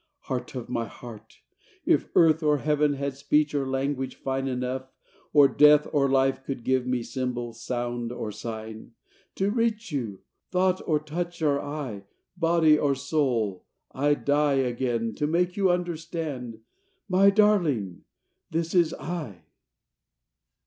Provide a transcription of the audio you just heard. Heart of my heart! if earth or Heaven Had speech or language fine Enough, or death or life could give Me symbol, sound, or sign To reach you thought, or touch, or eye, Body or soul I 'd die Again, to make you understand: My darling! This is _I!